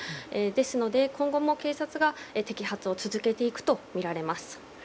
ですので、今後も警察が摘発を続けていくとみられます。